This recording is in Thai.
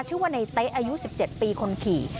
ชื่อว่าในเต๊ะอายุ๑๗ปีคนขี่